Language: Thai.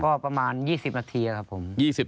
ก็ประมาณ๒๐นาทีครับผม